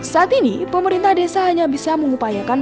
saat ini pemerintah desa hanya bisa mengupayakan